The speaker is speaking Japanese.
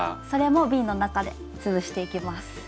それもびんの中で潰していきます。